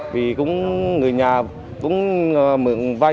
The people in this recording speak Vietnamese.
vì cũng người nhà cũng mượn vay